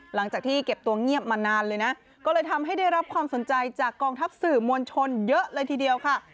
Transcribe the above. หลังจากที่เก็บตัวเงียบมานานเลยนะก็เลยทำให้ได้รับความสนใจจากกองทัพสื่อมวลชนเยอะเลยทีเดียวค่ะ